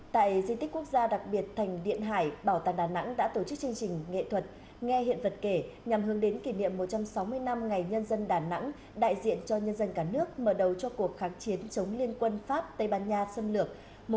tại diện tích quốc gia đặc biệt thành điện hải bảo tàng đà nẵng đã tổ chức chương trình nghệ thuật nghe hiện vật kể nhằm hướng đến kỷ niệm một trăm sáu mươi năm ngày nhân dân đà nẵng đại diện cho nhân dân cả nước mở đầu cho cuộc kháng chiến chống liên quân pháp tây ban nha xâm lược một nghìn tám trăm năm mươi tám hai nghìn một mươi tám